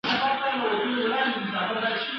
خو شیطان یې دی په زړه کي ځای نیولی ..